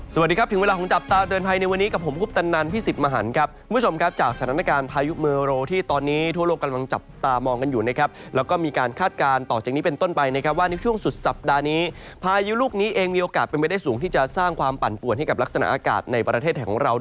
สวัสดีครับถึงเวลาของจับตาเตือนภัยในวันนี้กับผมคุปตันนันพี่สิทธิ์มหันครับคุณผู้ชมครับจากสถานการณ์พายุเมอโรที่ตอนนี้ทั่วโลกกำลังจับตามองกันอยู่นะครับแล้วก็มีการคาดการณ์ต่อจากนี้เป็นต้นไปนะครับว่าในช่วงสุดสัปดาห์นี้พายุลูกนี้เองมีโอกาสเป็นไปได้สูงที่จะสร้างความปั่นป่วนให้กับลักษณะอากาศในประเทศของเรา